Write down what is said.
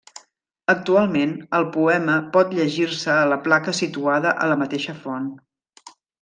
Actualment el poema pot llegir-se a la placa situada a la mateixa font.